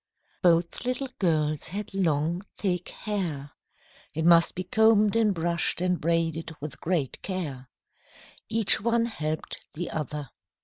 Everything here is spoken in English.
Both little girls had long, thick hair. It must be combed and brushed and braided with great care. Each one helped the other.